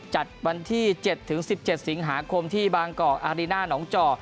จัดวันที่๗๑๗สิงหาคมที่บางกอกอารีน่าหนองจอ